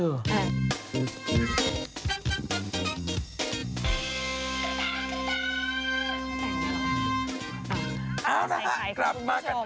เอาละค่ะกลับมากัน